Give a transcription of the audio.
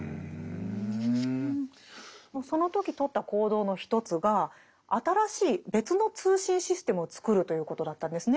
その時とった行動の一つが新しい別の通信システムを作るということだったんですね。